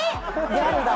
ギャルだ。